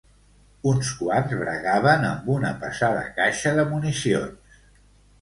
Uns quants bregaven amb una pesada caixa de municions